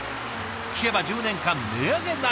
聞けば１０年間値上げなし。